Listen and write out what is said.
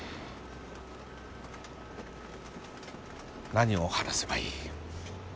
何を話せばいい？